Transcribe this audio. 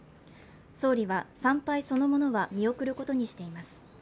総理は参拝そのものは見送ることにしています。